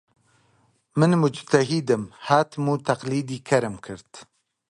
من موجتەهیدم، هاتم و تەقلیدی کەرم کرد